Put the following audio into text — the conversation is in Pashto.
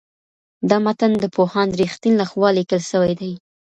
دا متن د پوهاند رښتین لخوا لیکل سوی دی.